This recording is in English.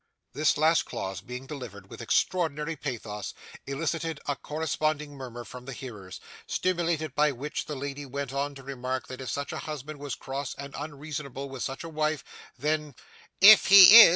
This last clause being delivered with extraordinary pathos, elicited a corresponding murmer from the hearers, stimulated by which the lady went on to remark that if such a husband was cross and unreasonable with such a wife, then 'If he is!